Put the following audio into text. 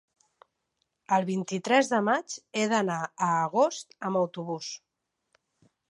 El vint-i-tres de maig he d'anar a Agost amb autobús.